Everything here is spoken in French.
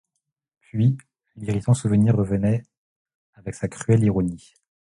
Puis, l'irritant souvenir revenait, avec sa cruelle ironie.